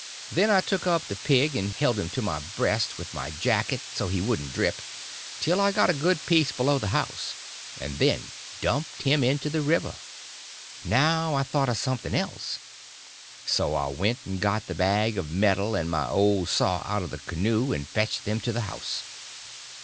Then I took up the pig and held him to my breast with my jacket (so he couldn't drip) till I got a good piece below the house and then dumped him into the river. Now I thought of something else. So I went and got the bag of meal and my old saw out of the canoe, and fetched them to the house.